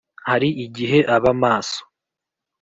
hari igihe aba maso,